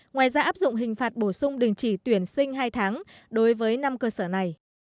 ngoài ra áp dụng hình phạt bổ sung đình chỉ tuyển sinh hai tháng đối với năm cơ sở này